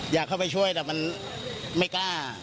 อยากเข้าไปช่วยแต่มันไม่กล้า